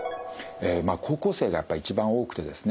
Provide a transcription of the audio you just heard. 高校生がやっぱ一番多くてですね